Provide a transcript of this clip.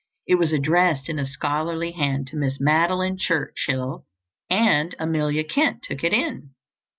It was addressed in a scholarly hand to Miss Madeline Churchill, and Amelia Kent took it in.